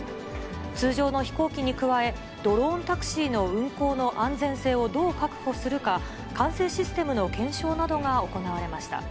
通常の飛行機に加え、ドローンタクシーの運航の安全性をどう確保するか、管制システムの検証などが行われました。